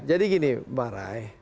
jadi gini mbak re